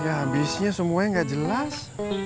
ya habisnya semuanya nggak jelas